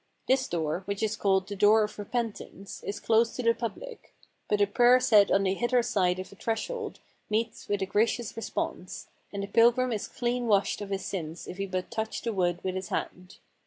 This door, which is called the Door of Repentance, is closed to the public; but a prayer said on the hither side of the threshold meets with a gracious response, and the pilgrim is clean washed of his sins if he but touch the wood with his hand.